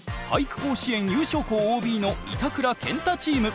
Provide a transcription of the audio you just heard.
甲子園優勝校ＯＢの板倉ケンタチーム。